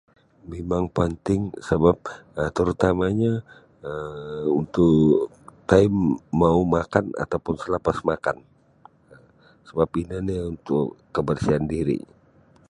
Mimang panting sabap um terutamanya um untuk time mau makan ataupun salapas makan sabap ino nio untuk kebersihan diri